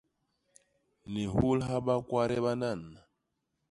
Ni hulha bakwade banan!